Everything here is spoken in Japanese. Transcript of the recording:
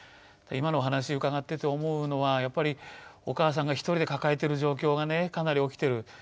今のお話うかがってて思うのはやっぱりお母さんが一人で抱えてる状況がねかなり起きてる。